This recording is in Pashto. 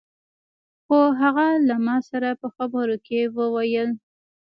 خو هغه له ما سره په خبرو کې وويل.